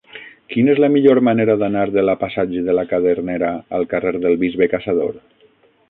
Quina és la millor manera d'anar de la passatge de la Cadernera al carrer del Bisbe Caçador?